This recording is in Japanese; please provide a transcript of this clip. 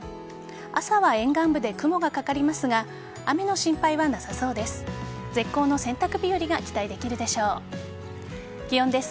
朝は沿岸部で雲がかかりますが雨の心配はなさそうです。